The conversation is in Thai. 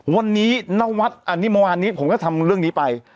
วันนี้นวัดอันนี้เมื่อวานนี้ผมก็ทำเรื่องนี้ไป